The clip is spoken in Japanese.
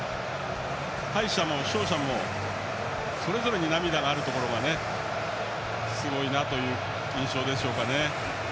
敗者も勝者もそれぞれに涙があるところがすごいなという印象でしょうかね。